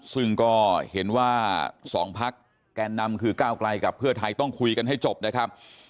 ซึ่งก็เห็นว่า๒พักแกนนำคือก้าวไกลกับเพื่อไทยต้องคุยกันให้จบนะครับ